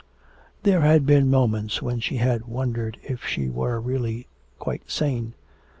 There had been moments when she had wondered if she were really quite sane.